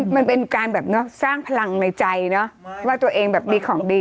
มันเป็นการแบบเนอะสร้างพลังในใจเนอะว่าตัวเองแบบมีของดี